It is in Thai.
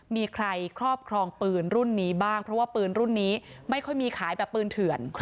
มีใครครอบครองปืนรุ่นนี้บ้างเพราะว่าปืนรุ่นนี้ไม่ค่อยมีขายแบบปืนเถื่อน